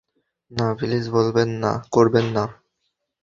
না, প্লিজ করবেন না।